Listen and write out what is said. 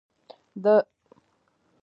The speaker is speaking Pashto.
بزګان د افغان ځوانانو د هیلو استازیتوب کوي.